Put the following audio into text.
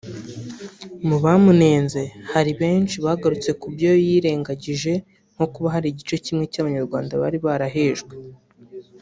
Mu bamunenze hari benshi bagarutse ku byo yirengagije nko kuba hari igice kimwe cy’abanyarwanda bari barahejwe